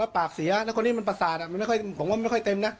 ตลอดปากสีนี้ผมหวังมันไม่ค่อยเต็มนะ